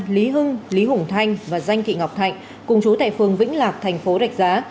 lý hưng lý hùng thanh và danh thị ngọc thạnh cùng chú tại phường vĩnh lạc thành phố rạch giá